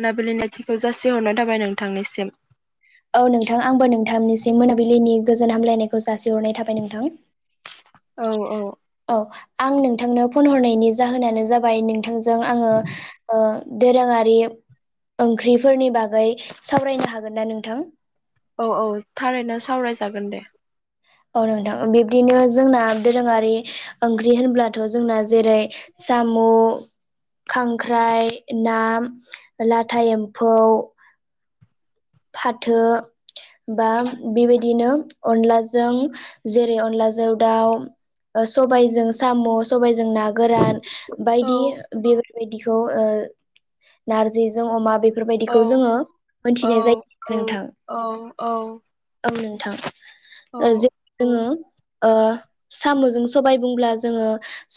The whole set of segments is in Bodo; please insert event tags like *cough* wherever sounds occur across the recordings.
मोनाबिलि नथिखौ जासि हरनाय थाबाय नोंथांनिसिम औ नोंथां आंबो नोंथांनिसिम मोनाबिलिनि गोजोन हामलायनायखौ जासिहरनाय थाबाय नोंथां। औ औ। औ आं नोंथांनो फन हरनायनि जाहोनानो जाबाय नोंथांजों आंङो ओ दोरोंङारि ओंख्रिफोरनि बागै सावरायनो हागोन ना नोंथां? औ औ थारैनो सावरायजागोन दे औ नोंथां बिबदिनो जोंना दोरोंङारि ओंख्रि होनब्लाथ' जोंना जेरै साम' खांख्राइ ना लाथा एम्फौ फाथो बा बेबायदिनो अनलाजों जेरै अनलाजों दाउ ओ सबायजों साम' सबायजों ना गोरान औ बायदि बे बिदिखौ ओ नारजिजों अमा औ बेफोरबायदिखौ जोंङो औ मोनथिनाय जायो। नोंथां औ औ औ नोंथां औ ओ जि जोंङो ओ साम'जों सबाय बुंब्ला जोंङो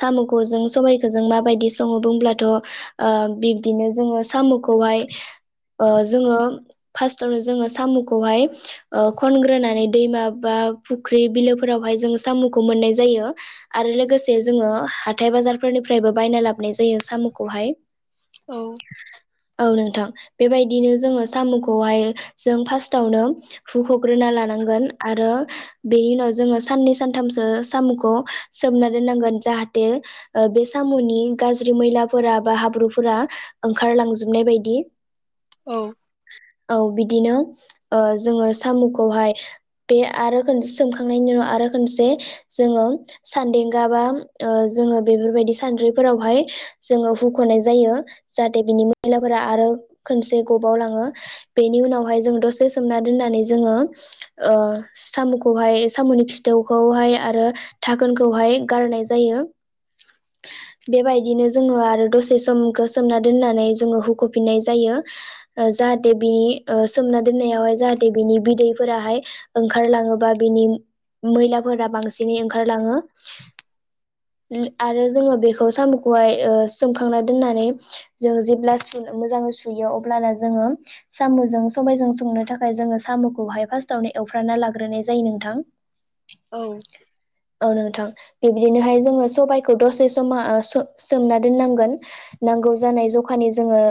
साम'खौ जों सबबायखौ जों माबायदि संङो बुंब्लाथ' ओ बिब्दिनो जोंङो साम'खौहाय ओ जोंङो फार्स्टआवनो जोंङो साम'खौहाय ओ खनग्रोनानै दैमा बा फुख्रि बिलोफोरावहाय जों साम'खौ मोननाय जायो। आरो लोगोसे जोंङो हाथाय बाजारफोरनिफ्रायबो बायना लाबोनाय जायो साम'खौहाय औ। औ नोंथां बेबायदिनो जोंङो साम'खौहाय जों फार्स्टावनो हुख'ग्रोना लानांगोन आरो बेनि उनाव जोंङो साननै सानथामसो साम'खौ सोमना दोननांगोन जाहाथे ओ बे साम'नि गाज्रि मैलाफोरा बा हाब्रुफोरा ओंखारलांजोबनाय बायदि औ औ बिदिनो ओ जोंङो साम'खौहाय बे आरो खनसे सोमखांनायनि उनाव आरो खनसे जोंङो सान्देंगा बा ओ जोंङो बेफोरबायदि सान्द्रिफोरावहाय जोंङो हुख'नाय जायो जाहाथे बिनि मैलाफोरा आरो खनसे गबाव लांङो बेनि उनावहाय जोंङो दसे सोमना दोननानै जोंङो ओ साम'खौहाय साम'नि खिथौखौहाय आरो थाखोनखौहाय गारनाय जायो *inaudible* बेबायदिनो जोंङो आरो दसे समखौ सोमना दोननानै जोंङो होुख'फिननाय जायो जा जे बिनि सोमना दोननायावहाय जाहाथे बिनि बिदैफोराहाय ओंखारलाङोबा बिनि मैलाफोरा बांसिनै ओंखारलाङो *inaudible* आरो जोंङो बेखौ साम'खौहाय ओ सोमखांना दोननानै जों जेब्ला सु मोजांङै सुयो अब्लाना जोंङो साम'जों सबायजों संनो थाखाय जोंङो साम'खौहाय फार्स्टावनो एवफ्रानना लाग्रोनाय जायो नोंथां औ औ नोंथां बेबदिनोहाय जोंङो सबायाइखौ दसे समा सो-सोमना दोननांगोन नांगौ जानाय जखानि जोंङो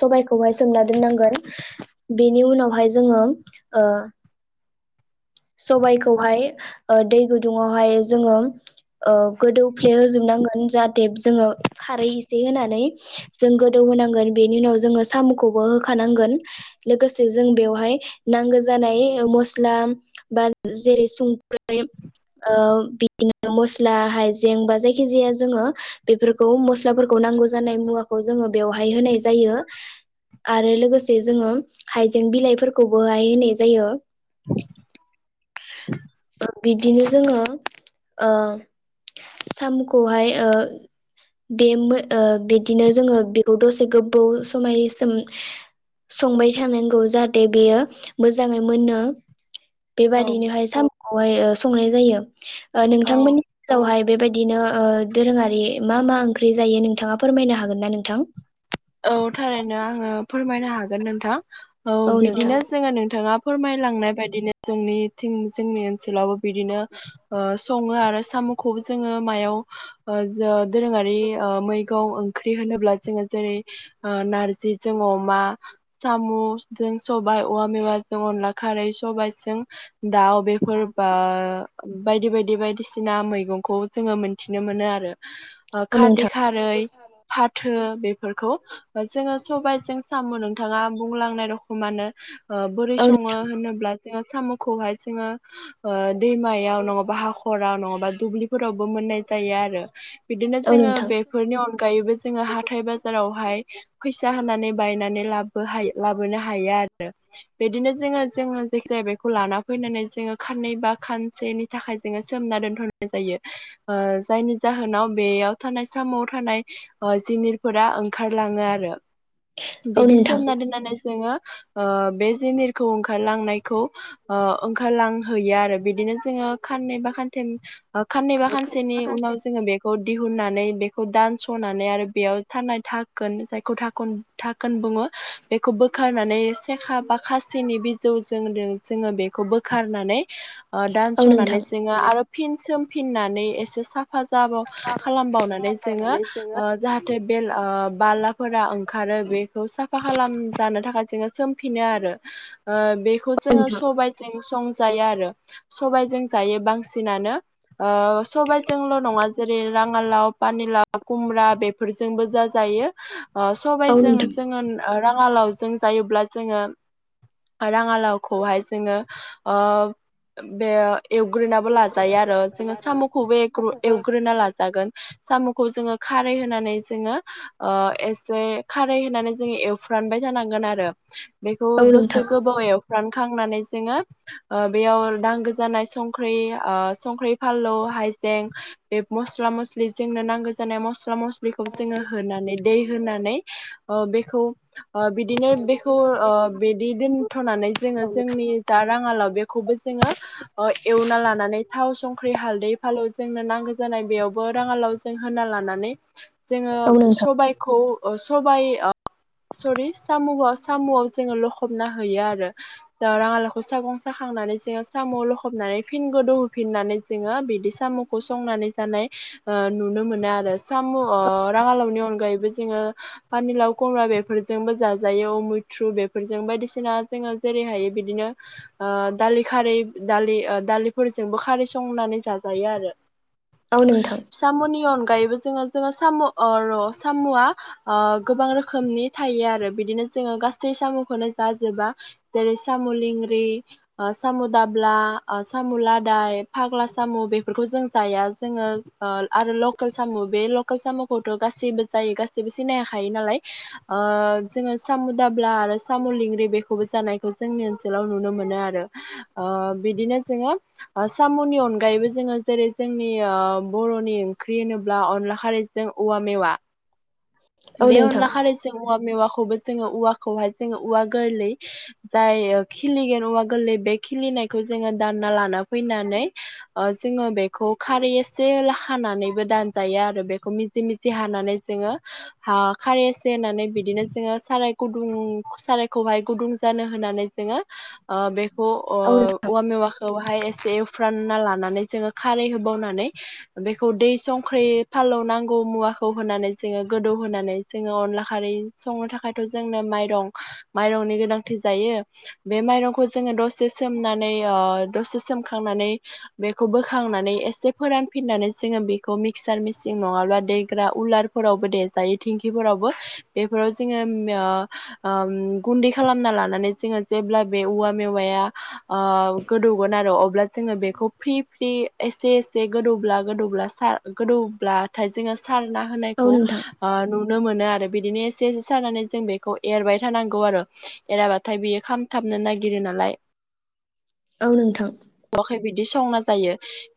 सबायाइखौहाय सोमना दोननांगोन बेनि उनावहाय जोंङो सबाइखौहाय दै गुदुङावहाय जोंङो ओ गोदौफ्ले होजोबनांगोन जाहाथे जोङो खारै एसे होनानै जों गोदौ होनांगोन बेनि उनाव जोंङो साम'खौबो होखानांगोन लोगोसे जों बेवहाय नांगौ जानाय मस्ला बा जेरै सुंख्रै ओ बिदिनो मस्ला हाइजें बा जायखि जाया जोंङो बे खौ मस्लाफोरखौ नांगौ जानाय मुवाखौ जोंङो बेवहाय होनाय जायो। आरो लोगोसे जोंङो हाइजें बिलाइफोरखौबोहाय होनाय जायो। *inaudible* बिदिनो जोंङो सामखौहाय ओ बे बिदिनो जोंङो बेखौ दसे गोबाव समायसोम संबाय थानांगौ जाहाथे बेयो मोजाङै मोनो औ बेबादिनोहाय साम'खौहाय संनाय जायो। ओ औ नोंथांमोननि ओलावहाय बेबायदिनो दोरोङारि मा मा ओंख्रि जायो नोंथाङा फोरमायनो हागोन ना नोंथां? औ थारैनो आंङो फोरमायनो हागोन नोंथां औ बिदिनो जोंङो नोंथाङा फोरमायलांनाय बायदिनो जोंनि जोंनि ओनसोलावबो बिदिनो संङो आरो साम'खौबो जोंङो मायाव ओ दोरोङारि मैगं ओंख्रि होनोब्ला जोंङो जेरै नार्जि जों अमा साम'जों सबायाइ औवा मेवाजों अनला खारै सबायाइजों दाउ बे फोरबा बायदि बायदि बायदिसिना मैगंखौ जोंङो मोनथिनो मोनो आरो औ खार्द नोंथां खारै फाथो बे फोरखौ जोंङो सबबायजों सामु नोंथाङा बुंलांनाय रखमानो बोरै औ संङो होनोब्ला जोंङो साम'खौहाय जोंङो ओ दैमायाव नङाबा हाखराव नङाबा दुब्लि रावबो मोननाय जायो आरो बिदिनो औ जोंङो नोंथां बेफोरनि अनगायैबो जोंङो हााइ बा फोरावहाय फैसा होनानै बायनानै ला लाबोनो हायो आरो आरो बिदिनो जोङो जोङो जायखि *unintelligible* खौ लाना फैनानै जोंङो खाननै बा खानसेनि थाखाय जोंङो सोमना दोनथ'नाय जायो। ओ जायनि जाहोनाव बेयाव थानाय सामाव थानाय जिनि फोर ओंखारलाङो आरो औ बिदि नोंथां सोमनानै दोननानै जोंङो ओ बे जिनिरखौ ओंखारलांनायखौ ओ ओंखारलांहैयो आरो बिदिनो जोङो खाननै बा खानथेम खाननैबा खानसेनि उनाव जोंङो बेखौ दिहुननानै बेखौ दानस'नानै आरो बेयाव थानाय धाखोन जायखौ धाखोन बुङो बेखौ बोखारनानै सेखा बा खा सिनि बिजौजों जोंङो बेखौ बोखारनानै ओ दान्स औ नोंथां हनानै जोङो आरो फिन सोम फिननानै एसे साफ हेफाजाब खालामबावनानै जोंङो ओ जाह जे बे बालाफोरा ओंखारो बेखौ साफा खालामजानो थाखाय जोङो सोमफिनो आरो ओ बेखौ जोङो नोंथां सबायजों संजायो आरो सबायजों जायो बांसिनानो। ओ सबायजोंल' नङा जेरै राङाालाव पानिलााव खुमब्रा बे- फोरजोंबो ज जायो सबाय औ जों नोंथां जोंङो राङालावजों जायोब्ला जोंङो राङालावखौहाय जोंङो ओ बे एवग्रोनाबो लाजायो आरो जोंङो साम'खौबो एवग्रोना लाजागोन। साम'खौ जोङो खारै नानै जोङो ओ एसे खारै होनानै जोङो एवफ्रानबाय जानांगोन आरो बेखौ औ नोंथां दसे गोबाव औ एवफ्राम खांनानै जोङो बेयाव नांगो जानाय सं- संख्रि ओ संख्रि फानलु हाइजें बे मस्ला-मस्लि जोंनो नांगौ जानाय मस्ला-मस्लि बेखौ जोङो होनानै दै होनानै ओ बेखौ बिदिनो बेखौ ओ बिदि दोनथ'नानै जोङो जोंनि जा राङालाव बेखौबो जोङो एवना लानानै थाव संख्रि हालदै फालौ जोंनो नांगौ जानाय बेयावबो राङालाव होना लानानै जोङो नोंथां सबायाइखौ ओ सबाइ ओ सरि साम'आव साम'आव जोङो लखबना होयो आरो। बा राङालावखौ सागं साखांनानै जोङो साम' लखबनानै फिन गोदौ होफिननानै जोङो बिदि साम'खौ संनानै जानाय नुनो मोनो आरो। साम' अ राङालावनि अनगायैबो जोङो पानिलाव खुमब्रा बेफोरजोंबो जाजायो मैथ्रु बेफोरजों बायदिसिना जोङो जेरै हायो बिदिनो ओ दालि खारै दालि दालिफोरजोंबो खारै संनानै जाजायो आरो। औ नोंथां। साम'नि अनगायैबो जोङो जोङो साम' अ र' साम'आ आ गोबां रोखोमनि थायो आरो बिदिनो जोङो गासै साम'खौनो जाजोबा जेरै साम' लिंग्रि ओ साम' दाब्ला ओ साम' लादाय फाग्ला साम' बेफोरखौ जों जाया जोङो ओ आरो लकेल साम' बे लकेल साम'खौथ' गासैबो जायो गासैबो सिनाय हाखायो नालाय। ओ जोङो सामु दाब्ला आरो साम' लिंग्रि बेखौबो जानायखौ जोंनि ओनसोलाव नुनो मोनो आरो। ओ बिदिनो जोङो साम'नि अनगायैबो जोङो जेरै जोंनि ओ बर'नि ओंख्रि होनोब्ला अनला खारैजों औवा मेवा। औ बे नोंथां अनला खारै- जों औवा मेवाखौबो जोङो औवाखौहाय जोङो औवा गोरलै जाय खिलिगोन औवा गोरलै बे खिलिनायखौ जोङो दानना लाना फैनानै ओ जोङो बेखौ खारै एसे लाखानानैबो दानजायो आरो। बेखौ मिजि मिजि हानानै जोङो हा खारै एसे होननानै बिदिनो जोङो साराय गुदुं सारायखौहाय गुदुं जानो होननानै जोङो ओ बेखौ ओ औ नोंथां औ नोंथां औवा मेवा- खौहाय एसे एवफ्रानना लानानै जोङो खारै होबावनानै बेखौ दै संख्रि फालौ नांगौ मुवाखौ होनानै जोङो गोदौ होनानै जोङो अनला खारै संनो थाखाय जोंनो माइरं माइरंनि गोनांथि जायो। बे माइरंखौ जोङो दसे सोमनानै अ दसे सोमखांनानै बेखौ बोखांनानै एसे फोरानफिननानै जोङो बेखौ मिक्सार मिस- नङाब्ला देग्रा उलारफोरावबो देजायो दिंखिफोरावबो। बेफोराव जोङो ओ ओ गुन्दै खालामना लानानै जोङो जेब्ला बे औवा मेवाया ओ गोदौगोन आरो अब्ला जोङो बेखौ फ्रि फ्रि एसे एसे गोदौब्ला गोदौब्ला सार गोदौब्लाथाय जोङो सार ना औ होनायखौ ओ नुनो मोनो आरो बिदिनो एसे एसे सानानै जों बेखौ एरबाय थानांगौ आरो एराबाथाय बियो खामथाबनो नागिरो नालाय ओं नोंथां जखाय बिदि संना जायो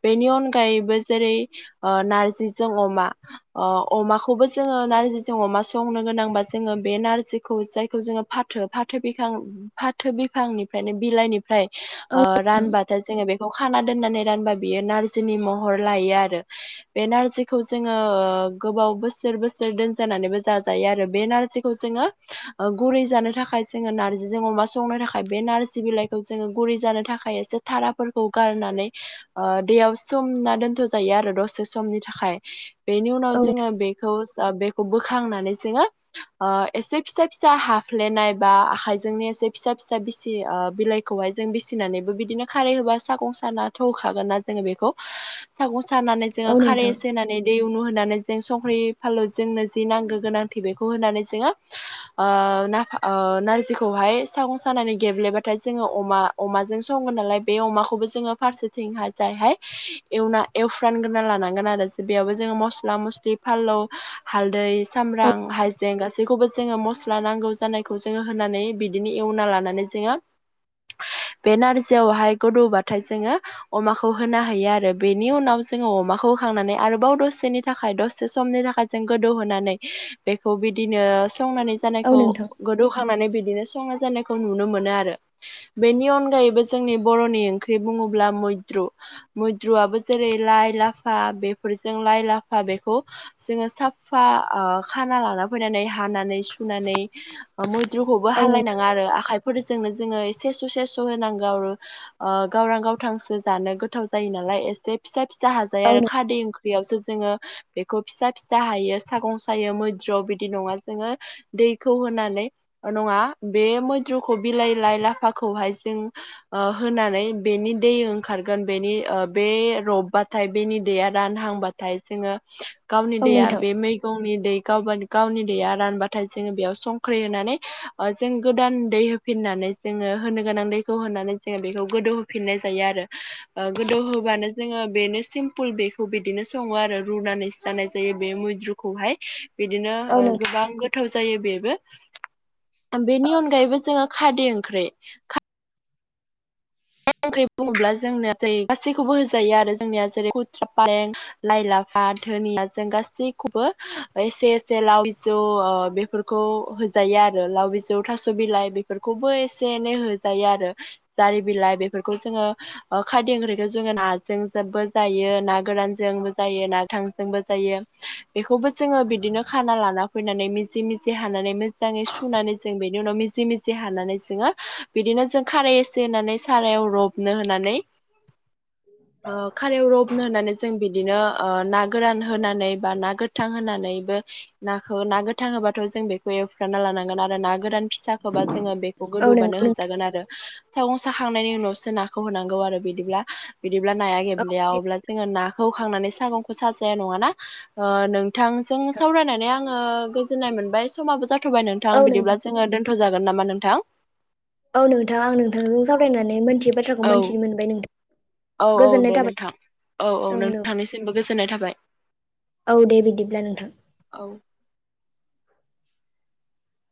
बेनि अनगायैबो जेरै ओ नारजि जों अमा अ अमाखौबो जोङो नारजिजों अमा संनो गोनांबा जोङो बे नारजिखौ जायखौ जोङो फा- फाथो बिफां फाथो बिफांनिफ्रायनो बिलाइनिफ्राय औ ओ नोंथां रानबाथाय जोङो खाना दोनानै रानबा बियो नारजिनि महर लायो आरो। बे नारजि जोङो ओ गोबाव बोसोर बोसोर दोनजानानैबो जाजायो आरो बे नारजिखौ जोङो ओ गुरै जानो थाखाय जोङो नार्जिजों अमा संनो थाखाय बे नारजि बिलाइखौ जोङो गुरै जानो थाखाय एसे थाराफोरखौ गारनानै ओ दैयाव समोना दोनथ'जायो आरो दसे समनि थाखाय। बेनि उनाव औ जोङो बेखौ बेखौ बोखांनानै जोङो ओ एसे फिसा फिसा हाफ्लेनाय बा आखायजोंनो एसे फिसा फिसा बिसि ओ बिलाइ खौहाय जोङो सिबिनानै बिदिनो खारै होबाय सागं सानाथ' होखागोनना जोङो बेखौ सागं सा खानानै जोङो औ खारै नोंथां नानै दै उनु होनानै जों संख्रि फालु जोंनो जि नांगौ गोनांथि बेखौ होनानै जोङो ओ नार नारजिखौहाय सागं सानानै गेब्लेबाथाय जोङो अमा अमाजों सङो नालाय बे अमाखौबो जोङो फारसेथिंहा जायहाय एवना एवफ्रानग्रोना लानांगोन आरो बेयावबो जोङो मस्ला मस्लि फालौ हालदै औ सामब्राम हाइजें गासैखौबो ज जोङो मस्ला नांगौ जानायखौ जोङो होनानै बिदिनो एवना लानानै जोङो बे नारजियावहाय गोदौबाथाय जोङो अमाखौ होनो हायो आरो बेनि उनाव जोङो अमाखौ खांनानै आरोबाव दसेनि थाखाय दसे समनि थाखाय जों गोदौहोनानै बेखौ बिदिनो संनानै औ जानायखौ नोंथां गोदौखांनानै बिदिनो संना जानायखौ नुनो मोनो आरो बेनि अनगायैबो जोंनि बर'नि ओंख्रि बुङोब्ला मैद्रु मैद्रुआबो जेरै लाइ लाफा बेफोरजों लाइ लाफा बेखौ जोङो साफा आ खाना लाना फैनानै हानानै सुनानै मैद्रुखौबो औ नोंथां हालायनाङा आरो आखायफोरजोंनो जोङो सेस' सेस' होनांगौ आरो गावरां गावथांसो जानो गोथाव जायो नालाय एसे फिसा फिसा हाजायो औ आरो नों खादै ओंख्रि फख्रियावसो जोङो बेखौ फिसा फिसा हायो सागं सायो मैद्रु बिदि नङा जोङो दैखौ होनानै नङा बे मैद्रुखौ बिलाइ लाइ लाफाखौहाय जों ओ होनानै बेनि दै ओंखारगोन ओ बेनि बे रबबाथाय बेनि दैया रान थांबाथाय जोङो गावनि औ दैया नोंथां बे मै गावनि दै गा गावनि दैया रानबाथाय जोङो बेयाव संख्रि होनानै जों गोदान दै फिननानै जोङो होनो गोनां दैखौ होनानै जोङो बेखौ गोदौहोफिननाय जायो आरो ओ गोदौ होबानो जोङो बेनो सिमपोल बे बिदिनो सङो आरो रुनानै जानाय जायो बे मैद्रुखौहाय बिदिनो औ ओ नोंथां गोबां गोथाव जायो बेबो बेनि अनगायैबो जोङो खादै ओंख्रि ओंख्रि बुङोब्ला जोंनो ज गासैखौबो होजायो आरो जोंनिया जेरै कुथ्रा पालें लाइ लाफा धोनिया जों गासैखौबो एसे एसे लाव बिजौ ओ बेफोरखौ खौ होजायो आरो लाव बिजौ थास' बिलाइ बेफोरखौबो एसे एनै होजायो आरो जारि बिलाइ बेफोरखौ जोङो ओ खारदै ओंख्रिखौ जोङो नाजों जेबो जायो ना गोरानजोंबो जायो ना थां जोंबो जायो बेखौबो जोङो बिदिनो खाना लाना फैनानै मिजि मिजि हानानै मोजाङै सुनानै जों बेनि उनाव मिजि मिजि हानानै जोङो बिदिनो जों खारै एसे होननानै सारायाव रबनो होननानै ओ खारायाव रब नो होननानै जों बिदिनो ओ ना गोरान होनानै बा ना गोथां होनानैबो नाखौ ना गोथां होबाथ' जों बेखौ जाना लानांगोन आरो ना गोरान फिसाखौबा जोङो बेखौ औ गोदौबानो नोंगौ नोंथां होजागोन आरो साखांनायनि उनावसो नाखौ होनांगौ आरो बिदिब्ला बिदिब्ला नाया गेब्लेया अब्ला जोङो ना खौ होखांनानै सागंखौ साजाया नङाना ओ नोंथांजों सावरायनानै आङो जोननाय मोनबाय समाबो जाथ'बाय नोंथां बिदिब्ला जोङो दोनथ'जागोन नामा नोंथां? औ नोंथां आं नोंथांजों सावरायनानै मोनथियै बाथ्राखौ औ मोनथिनो मोनबाय नोंथ औ औ दे नोंथां औ औ ओं नोंथांनिसिमबो गोजोननाय थाबाय औ दे बिदिब्ला नोंथां औ